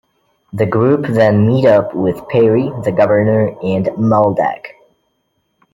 The group then meet up with Peri, the Governor, and Meldak.